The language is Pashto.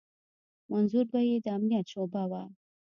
منظور به يې د امنيت شعبه وه.